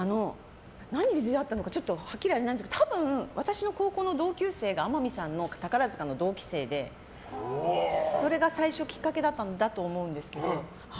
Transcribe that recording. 何で出会ったのかはっきりあれなんですけど多分、私の高校の同級生が天海さんの宝塚の同期生でそれが最初きっかけだったと思うんですけど。